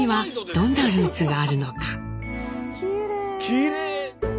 きれい！